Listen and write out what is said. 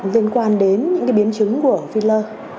liên quan đến những biến chứng của filler